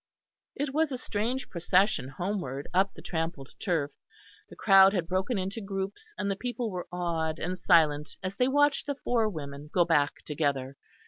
It was a strange procession homeward up the trampled turf. The crowd had broken into groups, and the people were awed and silent as they watched the four women go back together.